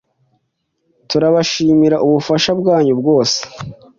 Turabashimira ubufasha bwanyu bwose.